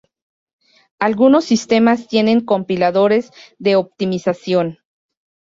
Algunos sistemas tienen compiladores de optimización.